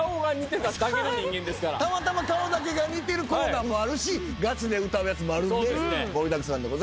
たまたま顔だけが似てるコーナーもあるしガチで歌うやつもあるんで盛りだくさんでございます。